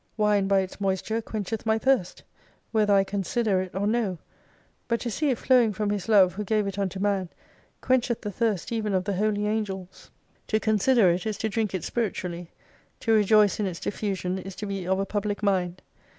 Wine by its moisture quencheth my thirst, whether I consider it or no : but to see it flowing from His love who gave it unto man, quencheth the thirst even of the Holy Angels. To consider it, is to drink it spiritually. To rejoice in its diffusion is to be of a public mind.